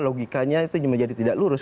logikanya itu menjadi tidak lurus